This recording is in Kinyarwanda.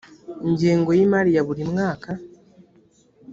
ingengo y’imari ya buri mwaka